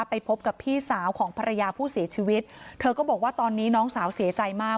ไปพบกับพี่สาวของภรรยาผู้เสียชีวิตเธอก็บอกว่าตอนนี้น้องสาวเสียใจมาก